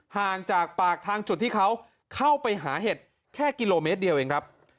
ห่างจากปากทางจุดที่เขาเข้าไปหาเห็ดแค่กิโลเมตรเดียวเองครับ